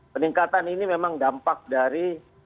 peningkatan ini memang dampak dari